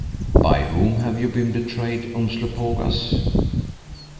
"By whom have you been betrayed, Umslopogaas?"